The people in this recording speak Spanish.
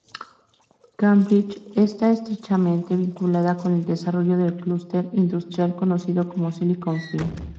Cambridge está estrechamente vinculada con el desarrollo del clúster industrial conocido como "Silicon Fen".